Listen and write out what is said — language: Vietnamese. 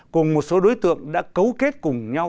cùng một số đối tượng đã cấu kết cùng nhau